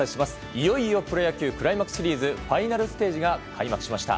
いよいよプロ野球クライマックスシリーズファイナルステージが開幕しました。